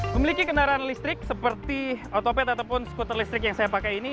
memiliki kendaraan listrik seperti otopet ataupun skuter listrik yang saya pakai ini